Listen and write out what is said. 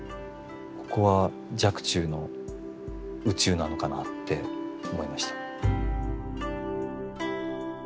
ここは若冲の宇宙なのかなって思いました。